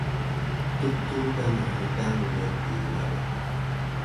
Tugturu ga naaré daŋ wɔ werpiiri ngaba.